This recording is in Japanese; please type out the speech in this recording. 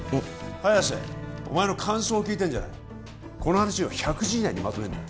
早瀬お前の感想を聞いてんじゃないこの話を１００字以内にまとめんだ